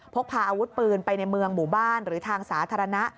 พกพาอาวุธปืนไปในเมืองหมู่บ้านหรือทางสาธารณะ